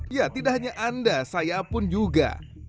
ya tidak hanya anda saya pun juga